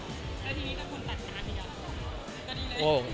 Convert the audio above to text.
แล้วทีนี้ก็คุณตัดทหารดีกว่า